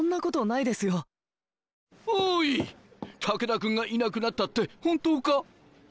武田君がいなくなったって本当か？